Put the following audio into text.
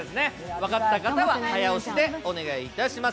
分かった方は早押しでお願いします。